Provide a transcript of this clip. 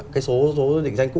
cái số định danh cũ